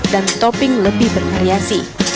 dan topping lebih bervariasi